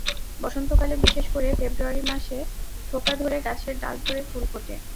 বসন্তকালে, বিশেষ করে ফেব্রুয়ারি মাসে থোকা ধরে গাছের ডাল ভরে ফুল ফোটে।